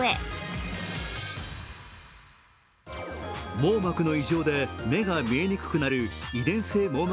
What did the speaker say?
網膜の異常で目が見えにくくなる遺伝性網膜